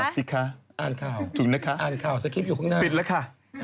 ซิคค่ะอ่านข่าวสกริปอยู่ข้างหน้าปิดแล้วค่ะ